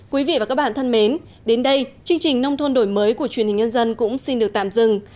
quý vị và các bạn thân mến đến đây chương trình nông thôn đổi mới của truyền hình nhân dân cũng xin được tạm dừng